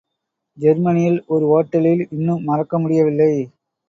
ஜெர்மனியில் ஒரு ஓட்டலில் இன்னும் மறக்க முடியவில்லை.